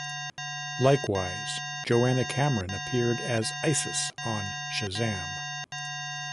Likewise, Joanna Cameron appeared as Isis on Shazam!